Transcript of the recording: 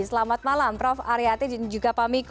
selamat malam prof aryati dan juga pak miko